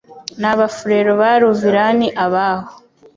n'Abafulero bari Uvirani abaho